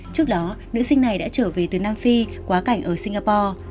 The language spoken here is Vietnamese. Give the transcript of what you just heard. trước đó nữ sinh này đã trở về từ nam phi quá cảnh ở singapore